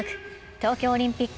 東京オリンピック